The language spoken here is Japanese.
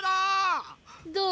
どう？